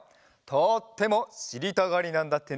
とってもしりたがりなんだってね。